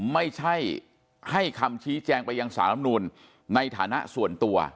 ไม่ใช่ให้คำชี้แจงไปยังสารำนูลในฐานะส่วนตัว